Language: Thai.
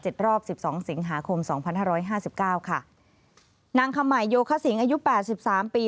รอบสิบสองสิงหาคมสองพันห้าร้อยห้าสิบเก้าค่ะนางคำใหม่โยคสิงอายุแปดสิบสามปี